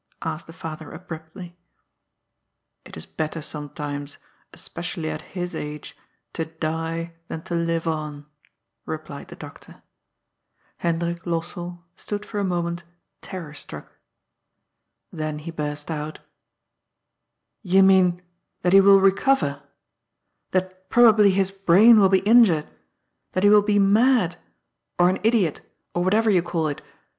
'* asked the father abruptly. ^'It is better sometimes, especially at his age, to die than to live on," replied the doctor. Hendrik Lossell stood for a moment terror struck. ' Then he burst out: ^'You mean that he will recover I 20 GOD'S FOOL. That probably bis brain will be injured — that he will be mad, or an idiot, or whatever you call it